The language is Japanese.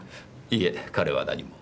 いえ彼は何も。